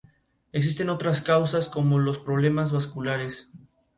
Estos tienen su expresión máxima en la Asamblea General.